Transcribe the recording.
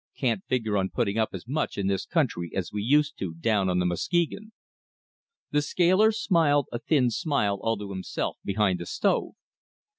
Can't figure on putting up as much in this country as we used to down on the Muskegon." The scaler smiled a thin smile all to himself behind the stove.